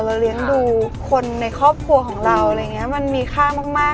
เราเลี้ยงดูคนในครอบครัวของเรามันมีค่ามาก